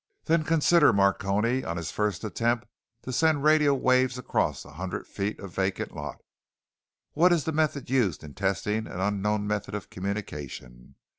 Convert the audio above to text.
Then consider Marconi on his first attempt to send radio waves across a hundred feet of vacant lot. What is the method used in testing an unknown method of communication?